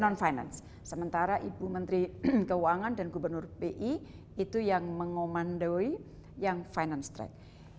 non finance sementara ibu menteri keuangan dan gubernur bi itu yang mengomandoi yang finance track